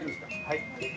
はい。